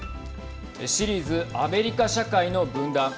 シリーズアメリカ社会の分断。